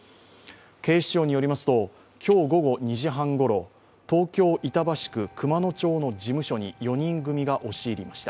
警視庁によりますと今日午後２時半ごろ、東京・板橋区熊野町の事務所に４人組が押し入りました。